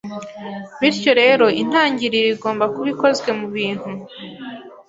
bityo rero intangiriro igomba kuba ikozwe mubintu